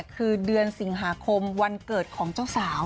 คือเดือนสิงหาคมวันเกิดของเจ้าสาว